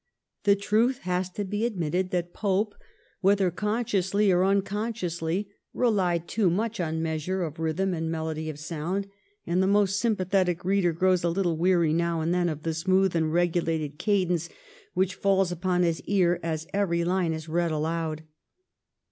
The truth has to be admitted that Pope, whether consciously or unconsciously, relied too much on measure of rhythm and melody of sound, and the most sym pathetic reader grows a little weary now and then of the smooth and regulated cadence which falls upon his ear as every line is read aloud.